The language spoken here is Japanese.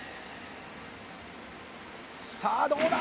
さあどうだ？